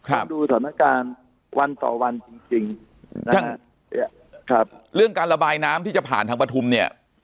ต้องดูสถานการณ์วันต่อวันจริงจริงนะครับเรื่องการระบายน้ำที่จะผ่านทางปฐุมเนี่ย